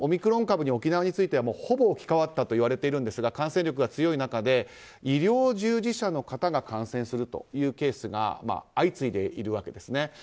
沖縄についてはオミクロン株にほぼ置き換わったといわれているんですが感染力が強い中で医療従事者の方が感染するというケースが相次いでいるわけです。